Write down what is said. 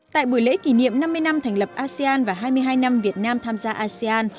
tại buổi lễ kỷ niệm năm mươi năm thành lập asean và hai mươi hai năm việt nam tham gia asean